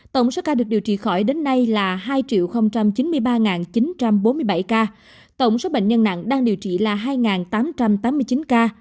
tổng số ca được điều trị khỏi đến nay là hai chín mươi ba chín trăm bốn mươi bảy ca tổng số bệnh nhân nặng đang điều trị là hai tám trăm tám mươi chín ca